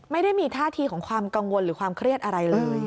ไม่ได้มีท่าทีของความกังวลหรือความเครียดอะไรเลย